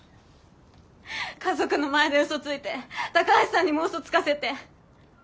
家族の前で嘘ついて高橋さんにも嘘つかせて。